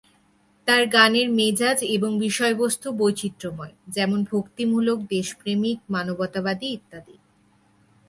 তার গানের মেজাজ এবং বিষয়বস্তু বৈচিত্র্যময়; যেমন: ভক্তিমূলক, দেশপ্রেমিক, মানবতাবাদী ইত্যাদি।